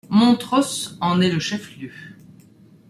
Montross en est le chef-lieu.